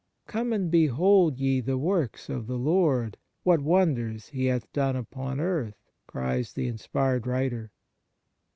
" Come and behold ye the works of the Lord, what wonders He hath done upon earth," cries the inspired writer.